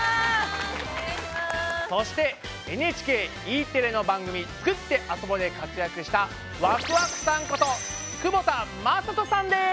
そしてＮＨＫＥテレの番組「つくってあそぼ」で活躍したワクワクさんこと久保田雅人さんです！